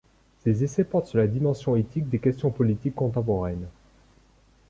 Ses essais portent sur la dimension éthique des questions politiques contemporaines.